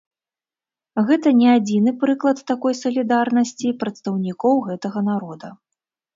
Гэта не адзіны прыклад такой салідарнасці прадстаўнікоў гэтага народа.